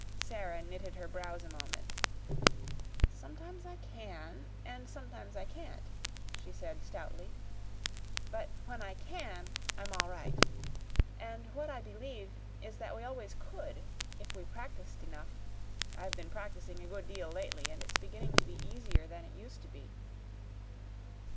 Sara knitted her brows a moment. "Sometimes I can and sometimes I can't," she said stoutly. "But when I CAN I'm all right. And what I believe is that we always could if we practiced enough. I've been practicing a good deal lately, and it's beginning to be easier than it used to be.